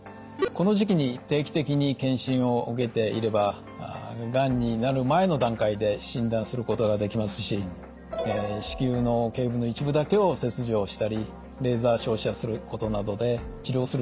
この時期に定期的に検診を受けていればがんになる前の段階で診断することができますし子宮の頸部の一部だけを切除したりレーザー照射することなどで治療することもできます。